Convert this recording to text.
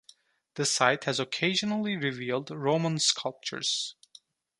The site has occasionally revealed Roman sculptures.